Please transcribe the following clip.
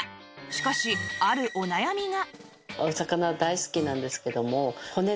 しかしあるお悩みが